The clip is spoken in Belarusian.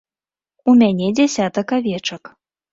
У мяне дзясятак авечак.